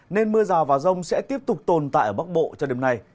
nên mưa rào và rông sẽ tiếp tục tồn tại ở bắc bộ cho đêm nay